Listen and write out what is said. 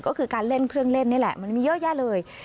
ก็คือการเล่นเครื่องเล่นนี่แหละมันมีเยอะแยะเลย